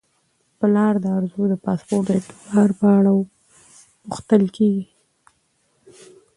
پلار د ارزو د پاسپورت د اعتبار په اړه پوښتل کیږي.